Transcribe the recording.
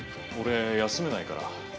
俺、休めないから。